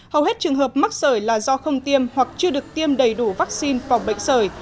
hầu hết trường hợp mắc sởi là do không tiêm hoặc chưa được tiêm đầy đủ vaccine phòng bệnh sởi